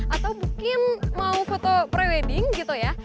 atau mungkin mau foto pre wedding gitu ya